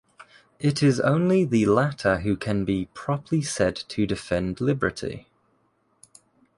It is only the latter who can be properly said to defend liberty.